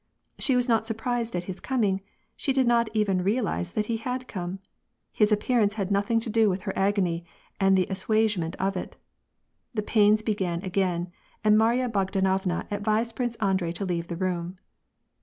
She was not surprised at his coming ; she did not even realize that he had come. His appearance had nothing to do with her agony and the assuagement of it. The pains began again, and Maria Bogdanovna advised Prince Andrei to leave the room.